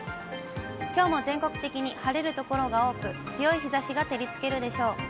きょうも全国的に晴れる所が多く、強い日ざしが照りつけるでしょう。